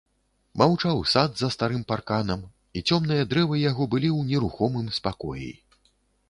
Маўчаў сад за старым парканам, і цёмныя дрэвы яго былі ў нерухомым спакоі.